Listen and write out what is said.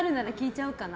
ちゃおうかな。